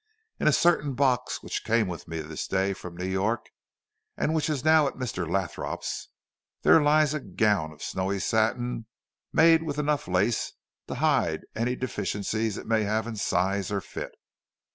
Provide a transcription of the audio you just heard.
In a certain box which came with me this day from New York, and which is now at Mr. Lothrop's, there lies a gown of snowy satin made with enough lace to hide any deficiencies it may have in size or fit.